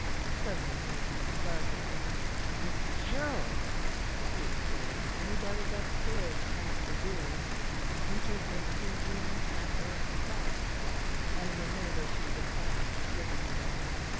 Suddenly Anthony started. "Mrs. Carroll," he exclaimed, and he darted upstairs past the ruins into her two rooms halfway up the flight; and in a minute or two was back with Isabel.